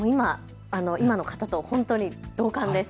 今の方と本当に同感です。